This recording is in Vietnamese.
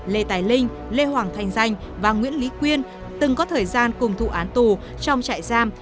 lê tài linh lê hoàng thành danh và nguyễn lý quyên từng có thời gian cùng thụ án tù trong trại giam